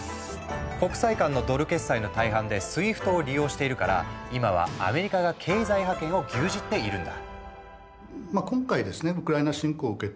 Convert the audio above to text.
国際間のドル決済の大半で「ＳＷＩＦＴ」を利用しているから今はアメリカが経済覇権を牛耳っているんだ。